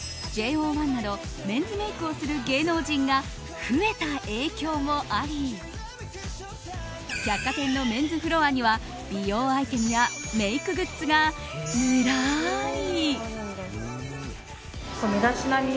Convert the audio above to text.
ＪＯ１などメンズメイクをする芸能人が増えた影響もあり百貨店のメンズフロアには美容アイテムやメイクグッズがずらり。